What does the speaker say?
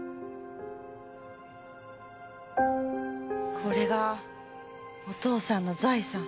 これがお父さんの財産。